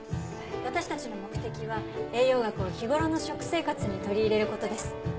私たちの目的は栄養学を日頃の食生活に取り入れる事です。